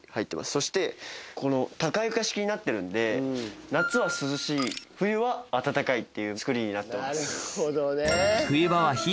そしてこの高床式になってるんで夏は涼しい冬は暖かいっていう作りになってます。